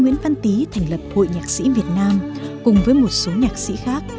nguyễn văn tý thành lập hội nhạc sĩ việt nam cùng với một số nhạc sĩ khác